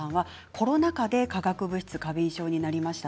コロナ禍で化学物質過敏症になりました。